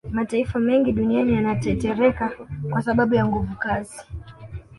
Mataifa mengi duniani yanatetereka kwasababu ya nguvukazi